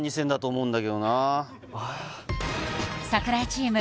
俺櫻井チーム